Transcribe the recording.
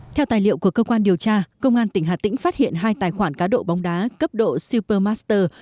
theo tài liệu của cơ quan điều tra công an tỉnh hà tĩnh phát hiện hai tài khoản cá độ bóng đá cấp độ super master